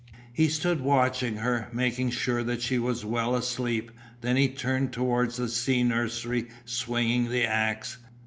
He stood watching her, making sure that she was well asleep, then he turned towards the seal nursery swinging the axe.